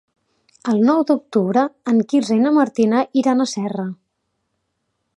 El nou d'octubre en Quirze i na Martina iran a Serra.